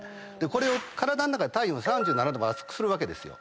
これを体の中で体温３７℃まで熱くするわけですよ。